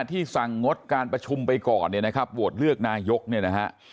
ที่สั่งงดการประชุมไปก่อนเนี่ยนะครับโหวตเลือกนายกเนี่ยนะฮะ